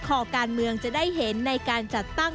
คอการเมืองจะได้เห็นในการจัดตั้ง